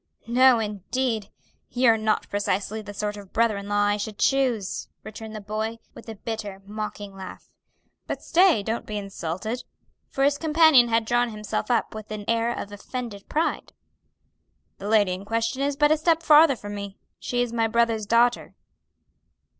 "No, indeed; you're not precisely the sort of brother in law I should choose," returned the boy, with a bitter, mocking laugh. "But stay, don't be insulted" for his companion had drawn himself up with an air of offended pride "the lady in question is but a step farther from me; she is my brother's daughter."